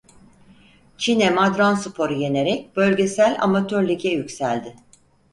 Çine Madranspor'u yenerek Bölgesel Amatör Lig'e yükseldi.